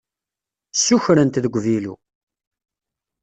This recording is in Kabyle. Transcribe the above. Ssukren-t deg uvilu.